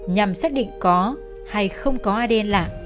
nhằm xác định có hay không có adn lạ